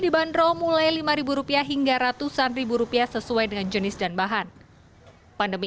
dibanderol mulai lima ribu rupiah hingga ratusan ribu rupiah sesuai dengan jenis dan bahan pandemi